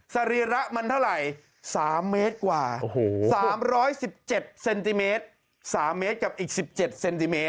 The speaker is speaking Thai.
สรีระมันเท่าไหร่๓เมตรกว่า๓๑๗เซนติเมตร๓เมตรกับอีก๑๗เซนติเมต